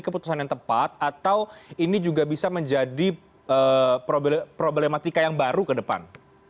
keputusan yang tepat atau ini juga bisa menjadi problematika yang baru ke depan